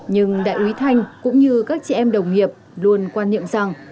nhưng đại úy thanh cũng như các chị em đồng nghiệp luôn quan niệm rằng